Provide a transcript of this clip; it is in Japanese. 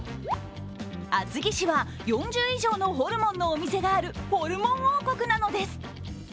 厚木市は、４０以上のホルモンのお店があるホルモン王国なんです。